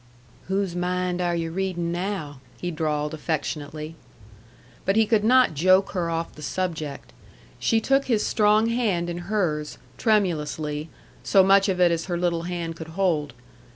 "Whose mind are yu' readin' now?" he drawled affectionately. But he could not joke her off the subject. She took his strong hand in hers, tremulously, so much of it as her little hand could hold.